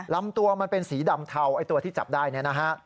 ลำตัวมันเป็นสีดำเทาไอ้ตัวที่จับได้เนี่ยนะฮะ